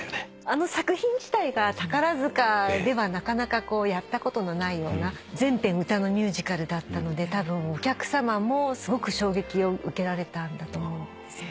あの作品自体が宝塚ではなかなかやったことのないような全編歌のミュージカルだったのでたぶんお客さまもすごく衝撃を受けられたんだと思うんですよね。